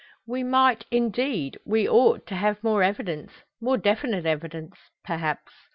"We might, indeed we ought to have more evidence, more definite evidence, perhaps?"